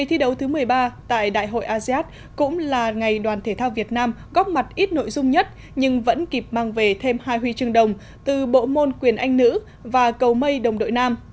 thủ tướng việt nam góp mặt ít nội dung nhất nhưng vẫn kịp mang về thêm hai huy chương đồng từ bộ môn quyền anh nữ và cầu mây đồng đội nam